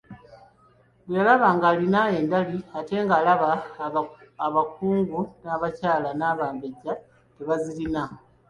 Bwe yalaba ng'alina endali ate ng'alaba abakungu n'abakyala n'Abambejja tebazirina.